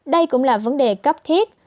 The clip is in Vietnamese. đây cũng là vấn đề cấp thiết